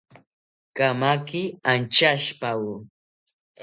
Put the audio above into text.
Kamaki anchashipawo